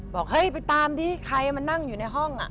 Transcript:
บอกเฮ้ยไปตามที่ใครมานั่งอยู่ในห้อง